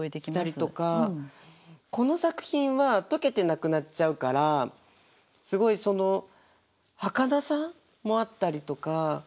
したりとかこの作品は解けてなくなっちゃうからすごいそのはかなさもあったりとか。